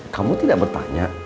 kamu tidak bertanya